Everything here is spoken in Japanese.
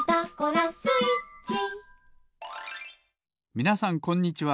みなさんこんにちは。